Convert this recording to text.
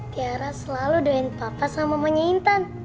tiara selalu doain papa sama mamanya intan